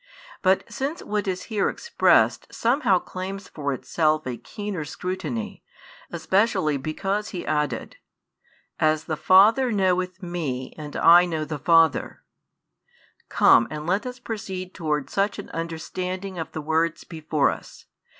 But since what is here expressed somehow claims for itself a keener scrutiny, especially because He added: As the Father knoweth Me and I know the Father; come and let us proceed towards such an understanding of the words before us.